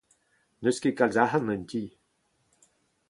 N'eus ket kalz arc'hant en ti !